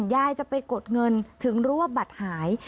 ยายจะไปกดเงินถึงรู้ว่าบัตรหาย